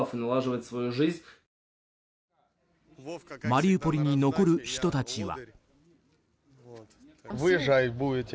マリウポリに残る人たちは。